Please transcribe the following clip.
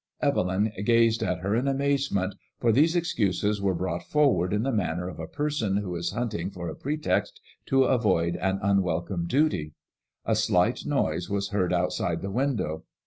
'* Evelyn gazed at her in amaze ment, for these excuses were brought forward in the manner ^ MADEMOISKLLB IXB. 171 of a person who is hunting for a pretext to avoid an unwelcome duty. A slight noise was heard outside the window.